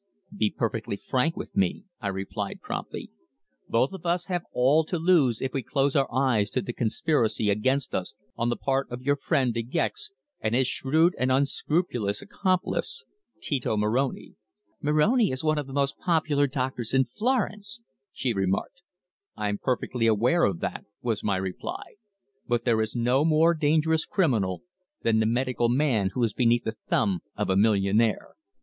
"Be perfectly frank with me," I replied promptly. "Both of us have all to lose if we close our eyes to the conspiracy against us on the part of your friend De Gex and his shrewd and unscrupulous accomplice, Tito Moroni." "Moroni is one of the most popular doctors in Florence," she remarked. "I'm perfectly aware of that," was my reply. "But there is no more dangerous criminal than the medical man who is beneath the thumb of a millionaire.